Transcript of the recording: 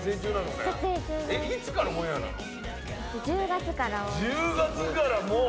１０月からもう！